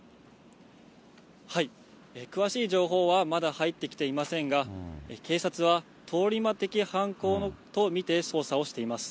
詳しい情報はまだ入ってきていませんが、警察は通り魔的犯行と見て、捜査をしています。